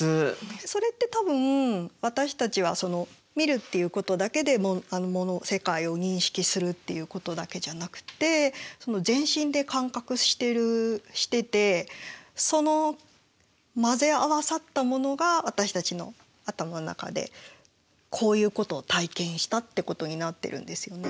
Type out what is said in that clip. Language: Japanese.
それって多分私たちは見るっていうことだけで世界を認識するっていうことだけじゃなくて全身で感覚しててその混ぜ合わさったものが私たちの頭の中でこういうことを体験したってことになってるんですよね。